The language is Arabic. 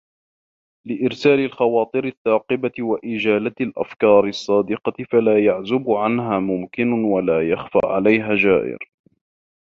لِإِرْسَالِ الْخَوَاطِرِ الثَّاقِبَةِ وَإِجَالَةِ الْأَفْكَارِ الصَّادِقَةِ فَلَا يَعْزُبُ عَنْهَا مُمْكِنٌ وَلَا يَخْفَى عَلَيْهَا جَائِزٌ